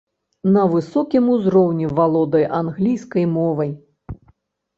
На высокім узроўні валодае англійскай мовай.